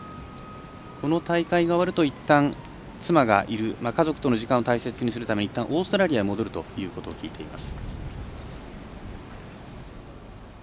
この大会が終わると家族との時間を大切にするためにオーストラリアに戻るということを聞いています。